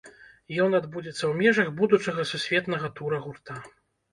Ён адбудзецца ў межах будучага сусветнага тура гурта.